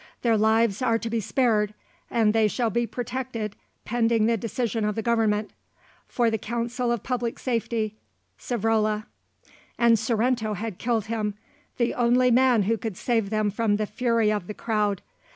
Their lives are to be spared, and they shall be protected pending the decision of the Government. For the Council of Public Safety_, SAVROLA. And Sorrento had killed him, the only man who could save them from the fury of the crowd.